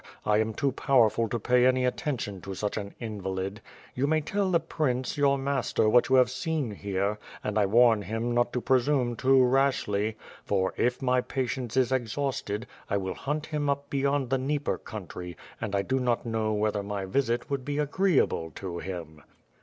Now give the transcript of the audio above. I am too powerful to pay any attention to such an invalid. You may tell the prince, your master, what you have seen here, and 1 warn him not to presume too rashly, for, if my patience is exhausted, I will hunt him up beyond the Dnieper country, and 1 do not know whether my visit would be agreeable to him."